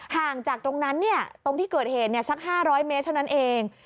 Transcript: ห่างจากตรงนั้นตรงที่เกิดเหตุสัก๕๐๐เมตรเท่านั้นเอง